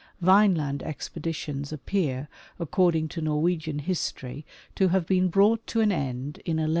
Vineland expedi tions appear, according to Norwegian history, to have been brought to an end in 1121.